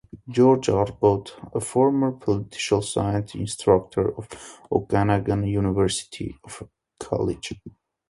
George Abbott, a former political science instructor at Okanagan University College.